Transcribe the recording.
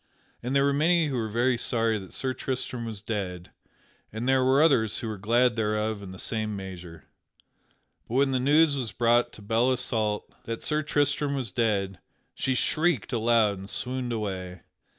And there were many who were very sorry that Sir Tristram was dead and there were others who were glad thereof in the same measure. But when the news was brought to Belle Isoult that Sir Tristram was dead, she shrieked aloud and swooned away.